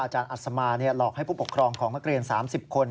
รอัศมาหลอกให้ผู้ปกครองของนักเรียน๓๐คน